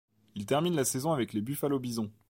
Il termine la saison avec les Buffalo Bisons.